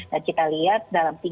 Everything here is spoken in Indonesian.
dan kita lihat dalam